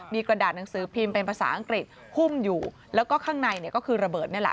มีกระดาษหนังสือพิมพ์เป็นภาษาอังกฤษหุ้มอยู่แล้วก็ข้างในเนี่ยก็คือระเบิดนี่แหละ